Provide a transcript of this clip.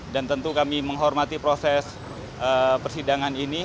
dan tentu kami menghormati proses persidangan ini